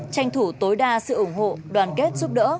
tranh thủ tối đa sự ủng hộ đoàn kết giúp đỡ